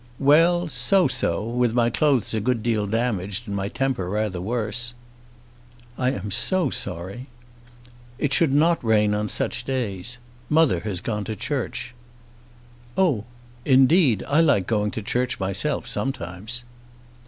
"Well; so, so; with my clothes a good deal damaged and my temper rather worse." "I am so sorry." "It should not rain on such days. Mother has gone to church." "Oh; indeed. I like going to church myself sometimes."